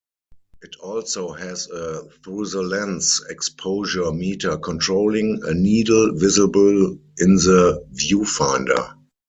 It also has a through-the-lens exposure meter controlling a needle visible in the viewfinder.